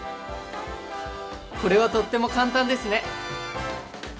これはとっても簡単ですね！